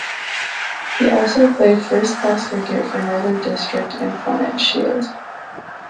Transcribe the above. He also played first-class cricket for Northern Districst in the Plunket Shield.